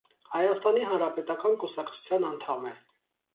Հայաստանի հանրապետական կուսակցության անդամ է։